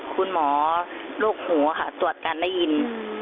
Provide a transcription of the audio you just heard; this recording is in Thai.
๕คุณหมอโรคหัวค่ะตรวจการได้ยิน